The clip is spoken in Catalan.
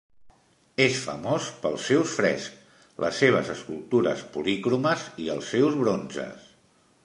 És famós pels seus frescs, les seves escultures policromes i els seus bronzes.